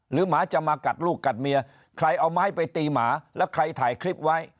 หมาจะมากัดลูกกัดเมียใครเอาไม้ไปตีหมาแล้วใครถ่ายคลิปไว้